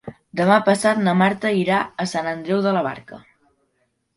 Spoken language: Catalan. Demà passat na Marta irà a Sant Andreu de la Barca.